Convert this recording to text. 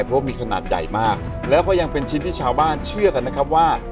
เพราะว่ามีขนาดใหญ่มากแล้วก็ยังเป็นชิ้นที่ชาวบ้านเชื่อกันนะครับว่า